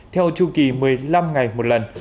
theo chu kỳ một mươi năm ngày một lần